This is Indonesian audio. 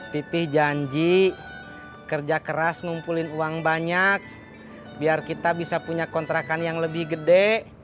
pipih janji kerja keras ngumpulin uang banyak biar kita bisa punya kontrakan yang lebih gede